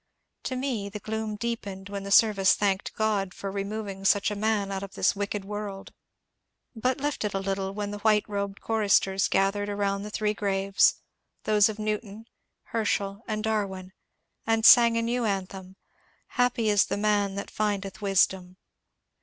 To me the gloom deepened when the service thanked God for remov ing such a man out of this wicked world, but lifted a little when the white robed choristers gathered around the three graves — those of Newton, Herschel, and Darwin — and sang a new anthem, ^^ Happy is the man that findeth wisdom